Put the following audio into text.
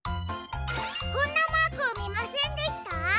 こんなマークをみませんでした？